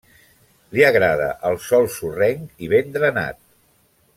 Li agrada el sòl sorrenc i ben drenat.